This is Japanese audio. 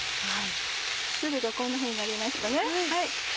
汁がこんなふうになりましたね。